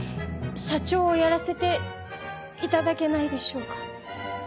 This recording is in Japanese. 社長をやらせていただけないでしょうか？